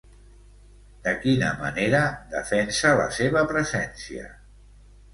De quina manera defensa la seva presència?